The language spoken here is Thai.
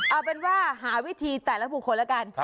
เอาเป็นว่าหาวิธีแต่ละบุคคลแล้วกัน